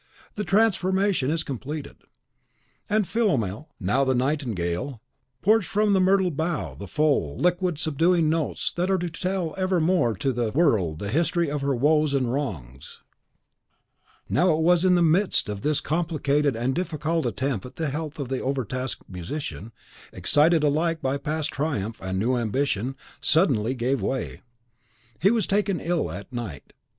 The transformation is completed; and Philomel, now the nightingale, pours from the myrtle bough the full, liquid, subduing notes that are to tell evermore to the world the history of her woes and wrongs. Now, it was in the midst of this complicated and difficult attempt that the health of the over tasked musician, excited alike by past triumph and new ambition, suddenly gave way. He was taken ill at night.